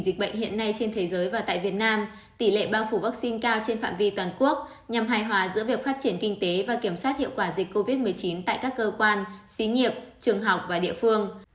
dịch bệnh hiện nay trên thế giới và tại việt nam tỷ lệ bao phủ vaccine cao trên phạm vi toàn quốc nhằm hài hòa giữa việc phát triển kinh tế và kiểm soát hiệu quả dịch covid một mươi chín tại các cơ quan xí nghiệp trường học và địa phương